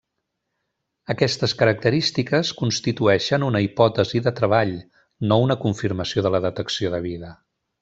Aquestes característiques constitueixen una hipòtesi de treball, no una confirmació de la detecció de vida.